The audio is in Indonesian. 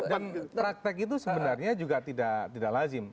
dan praktek itu sebenarnya juga tidak lazim